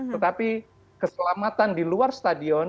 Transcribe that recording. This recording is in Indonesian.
tetapi keselamatan di luar stadion